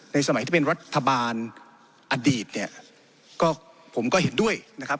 สมัยที่เป็นรัฐบาลอดีตเนี่ยก็ผมก็เห็นด้วยนะครับ